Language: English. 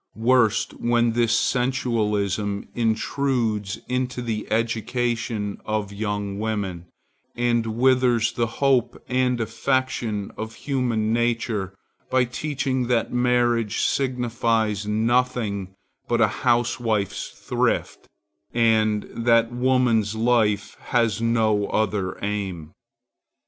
Worst, when this sensualism intrudes into the education of young women, and withers the hope and affection of human nature by teaching that marriage signifies nothing but a housewife's thrift, and that woman's life has no other aim.